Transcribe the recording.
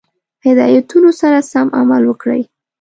هدایتونو سره سم عمل وکړي.